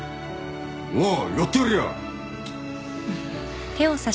おうやってやるよ！